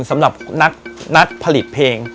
สำหรับนักผลิตเพลง